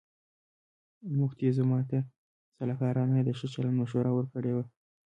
موکتیزوما ته سلاکارانو یې د ښه چلند مشوره ورکړې وه.